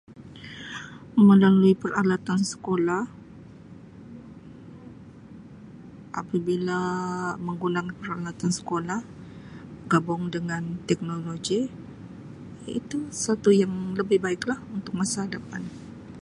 Melalui peralatan sekolah apabila menggunakan peralatan sekolah gabung dengan teknologi iaitu satu yang lebih baik lah untuk masa depan.